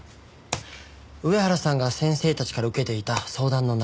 上原さんが先生たちから受けていた相談の内容です。